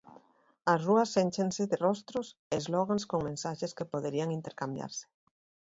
As rúas énchense de rostros e slogans con mensaxes que poderían intercambiarse.